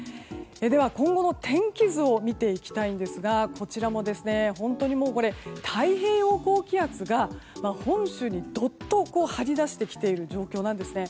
では今後の天気図を見ていきたいんですが太平洋高気圧が本州にどっと張り出してきている状況なんです。